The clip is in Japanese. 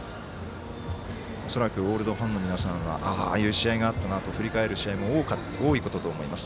恐らくオールドファンの皆さんはああいう試合があったなと振り返る試合も多いことと思います。